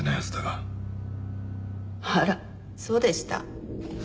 あらそうでした？